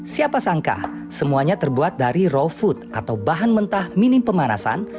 siapa sangka semuanya terbuat dari raw food atau bahan mentah minim pemanasan